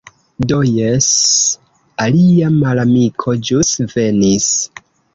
Do jes... alia malamiko ĵus venis.